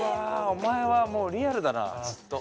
お前はもうリアルだなずっと。